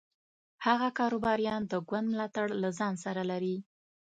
هغه کاروباریان د ګوند ملاتړ له ځان سره لري.